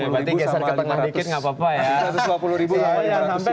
berarti geser ke tengah dikit gak apa apa ya